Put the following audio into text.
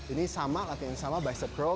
ini sama latihan yang sama bicep curl